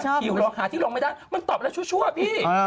หิวหาที่ลงไม่ได้มันตอบแรงชั่วพี่